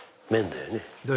だよね